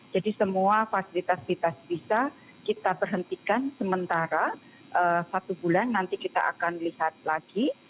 jadi semua fasilitas fasilitas visa kita berhentikan sementara satu bulan nanti kita akan lihat lagi